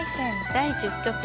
第１０局。